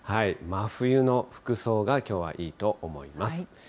真冬の服装が、きょうはいいと思います。